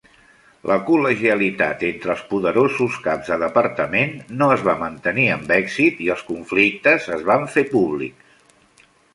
La col·legialitat entre els poderosos caps de departament no es va mantenir amb èxit i els conflictes es van fer públics.